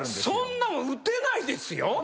そんなん打てないですよ。